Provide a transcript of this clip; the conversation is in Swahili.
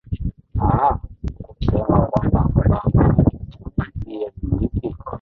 aah kusema kwamba obama atutimizie muziki